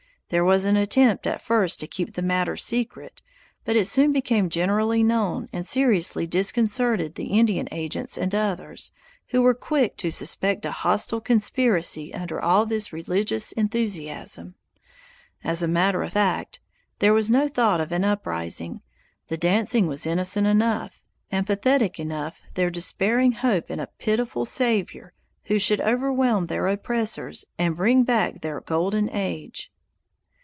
There was an attempt at first to keep the matter secret, but it soon became generally known and seriously disconcerted the Indian agents and others, who were quick to suspect a hostile conspiracy under all this religious enthusiasm. As a matter of fact, there was no thought of an uprising; the dancing was innocent enough, and pathetic enough their despairing hope in a pitiful Saviour who should overwhelm their oppressors and bring back their golden age.